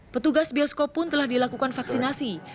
petugas bioskop pun telah dilakukan vaksinasi